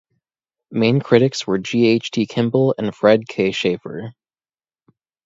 Main critics were G. H. T. Kimble and Fred K. Schaefer.